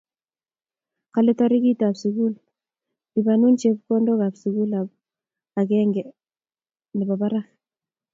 Kale toritiik ab sukul lipanun chepkondok ab sukul ab aeng ang nebo barak